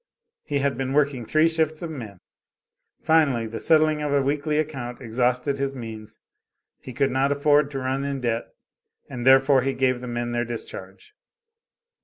He had been working three shifts of men. Finally, the settling of a weekly account exhausted his means. He could not afford to run in debt, and therefore he gave the men their discharge.